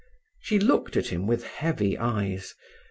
She looked at him with heavy eyes.